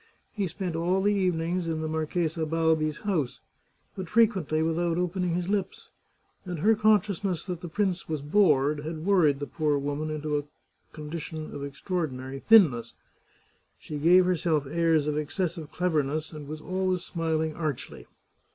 He spent all the evenings in the Marchesa Balbi's house, but frequently without opening his lips, and her consciousness that the prince was bored had worried the poor woman into a condition of extraordinary thinness. She gave her«rlf Ii8 The Chartreuse of Parma airs of excessive cleverness, and was always smiling archly.